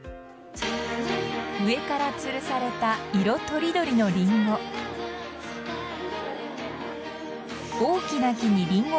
上からつるされた色とりどりのリンゴ。